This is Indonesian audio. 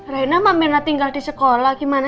reina mbak merna tinggal di sekolah gimana